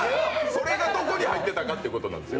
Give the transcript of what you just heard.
それがどこに入ってたかってことですよ。